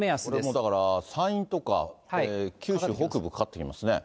だから、山陰とか九州北部かかってきますね。